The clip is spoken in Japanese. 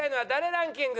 ランキング。